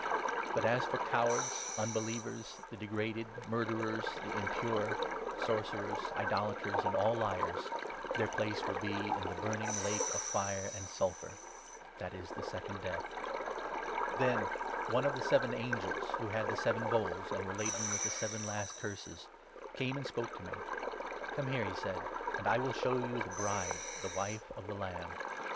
But as for cowards, un 8 believers, the degraded, murderers, the impure, sorcerers, idolaters, and all liars — their place will be in the burning lake of fire and sulphur. That is the Second Death.' Then one of the seven angels who had the seven bowls, and 9 were laden with the seven last Curses, came and spoke to me. ' Come here,' he said, ' and I will show you the Bride, the Wife of the Lamb.'